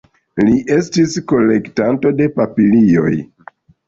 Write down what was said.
Li estis kolektanto de papilioj.